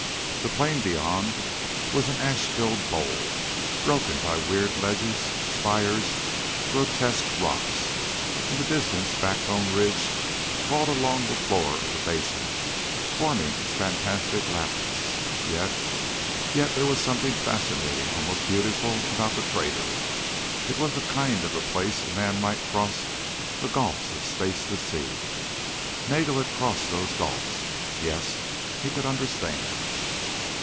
The plain beyond was an ash filled bowl broken by weird ledges, spires, grotesque rocks. In the distance Backbone Ridge crawled along the floor of the basin, forming its fantastic labyrinths. Yet ... yet there was something fascinating, almost beautiful about the crater. It was the kind of a place a man might cross the gulfs of space to see. Nagel had crossed those gulfs. Yes, he could understand.